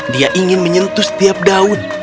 dia ingin menyentuh setiap daun